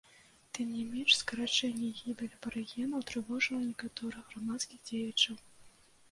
Тым не менш, скарачэнне і гібель абарыгенаў трывожыла некаторых грамадскіх дзеячаў.